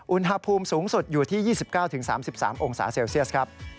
อุณหภูมิสูงสุดอยู่ที่๒๙๓๓องศาเซลเซียสครับ